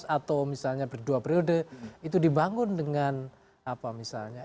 dua ribu sembilan belas atau misalnya berdua periode itu dibangun dengan apa misalnya